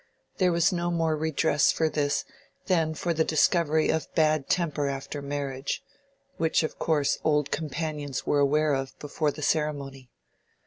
There was no more redress for this than for the discovery of bad temper after marriage—which of course old companions were aware of before the ceremony.